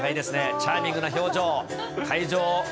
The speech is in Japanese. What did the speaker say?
チャーミングな表情。